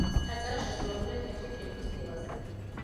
წარწერა შესრულებულია თეთრი კირქვის ფილაზე.